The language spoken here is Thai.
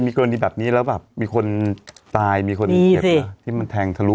เพื่อนดีแบบนี้แล้วแบบมีคนตายมีคนเก็บที่มันแทงทะลุไป